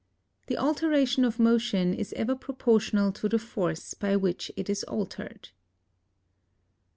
The alteration of motion is ever proportional to the force by which it is altered.